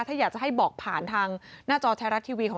ถ้าอยากจะให้บอกผ่านทางหน้าจอแหละ